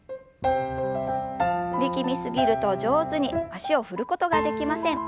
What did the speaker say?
力み過ぎると上手に脚を振ることができません。